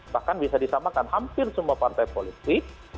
bahkan bisa disamakan hampir semua partai politik